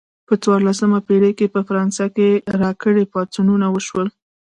په څوارلسمه پیړۍ کې په فرانسه کې راکري پاڅونونه وشول.